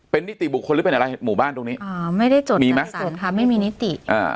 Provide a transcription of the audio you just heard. เป็นนิติบุคคลหรือเป็นอะไรหมู่บ้านตรงนี้ไม่ได้จดจัดสรรค์ไม่มีนิติ